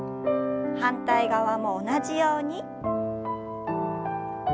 反対側も同じように。